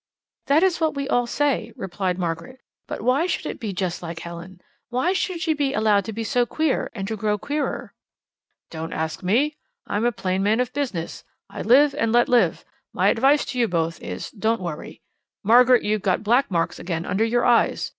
"That is what we all say," replied Margaret. "But why should it be just like Helen? Why should she be allowed to be so queer, and to grow queerer?" "Don't ask me. I'm a plain man of business. I live and let live. My advice to you both is, don't worry. Margaret, you've got black marks again under your eyes.